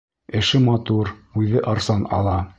Эше матур, үҙе арзан ала.